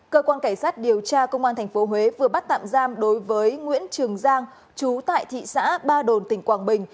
cơ quan cảnh sát điều tra công an tp huế vừa bắt tạm giam đối với nguyễn trường giang chú tại thị xã ba đồn tỉnh quảng bình